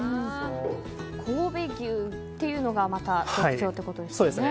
神戸牛というのが特徴ということですね。